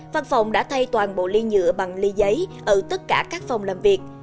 văn phòng đã thay toàn bộ ly nhựa bằng ly giấy ở tất cả các phòng làm việc